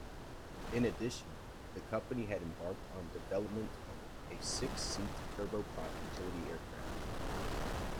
In addition, the company had embarked on development of a six-seat turboprop utility aircraft.